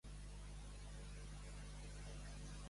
Cara de gnom.